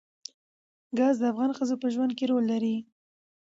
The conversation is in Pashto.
ګاز د افغان ښځو په ژوند کې رول لري.